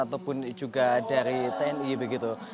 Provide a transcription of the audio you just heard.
ataupun juga dari tni begitu